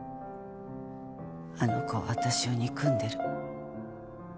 あの子は私を憎んでる。